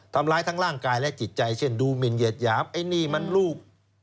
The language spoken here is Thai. ทำร้ายทั้งร่างกายและจิตใจเช่นดูหมินเหยียดหยามไอ้นี่มันลูก